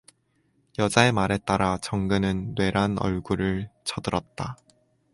여자의 말에 따라 정근은 뇌란 얼굴을 쳐들었다.